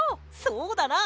そうだな。